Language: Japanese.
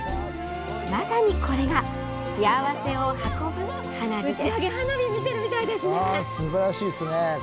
まさにこれが幸せを運ぶ花火です。